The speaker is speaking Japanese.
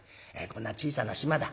こんな小さな島だ。